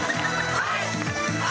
はい！